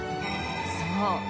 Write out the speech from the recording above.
［そう。